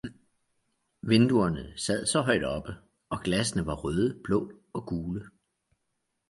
Vinduerne sad så højt oppe og glassene var røde, blå og gule.